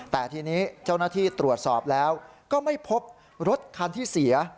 แต่ทีนี้เจ้าหน้าที่ตรวจสอบแล้วก็ไม่พบรถคันที่เสีย